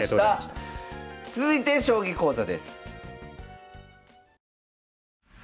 続いて将棋講座です。